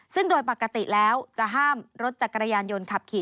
ซึ่งโดยปกติแล้วจะห้ามรถจักรยานยนต์ขับขี่